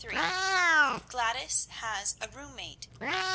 GLADYS HAS A ROOM MATE.